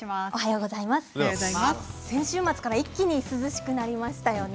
先週末から一気に涼しくなりましたよね。